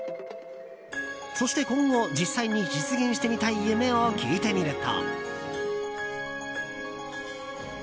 そして、今後実際に実現してみたい夢を聞いてみると。